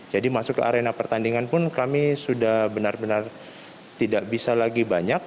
jadi masuk ke arena pertandingan pun kami sudah benar benar tidak bisa lagi banyak